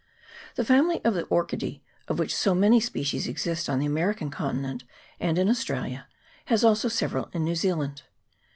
The family of the Orchidea, of which so many species exist on the American continent and in Australia, has also several on New Zealand.